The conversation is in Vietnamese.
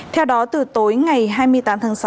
theo đó từ tối ngày hai mươi tám tháng sáu